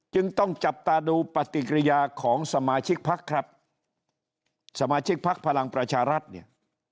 จึงต้องจับตาดูปฏิกิริยาของสมาชิกพักครับสมาชิกพักพลังประชารัฐเนี่ย